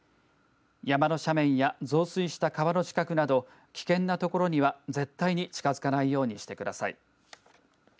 山の斜面や増水した川の近くなど危険なところには絶対に近づかないようにしてください。